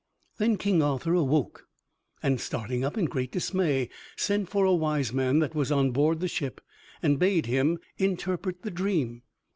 Then King Arthur awoke, and, starting up in great dismay, sent for a wise man that was on board the ship and bade him interpret the dream.